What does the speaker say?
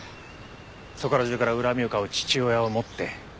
そこら中から恨みを買う父親を持って。